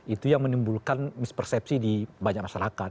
itu yang menimbulkan mispersepsi di banyak masyarakat